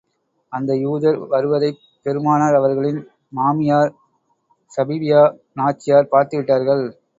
அந்த யூதர் வருவதைப் பெருமானார் அவர்களின் மாமியார் ஸபிய்யா நாச்சியார் பார்த்து விட்டார்கள்.